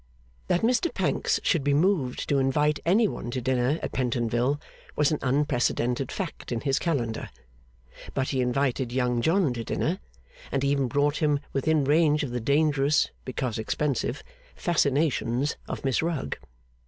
That Mr Pancks should be moved to invite any one to dinner at Pentonville, was an unprecedented fact in his calendar. But he invited Young John to dinner, and even brought him within range of the dangerous (because expensive) fascinations of Miss Rugg.